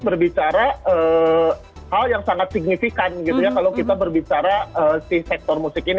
berbicara hal yang sangat signifikan gitu ya kalau kita berbicara si sektor musik ini